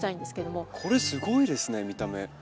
これすごいですね見た目。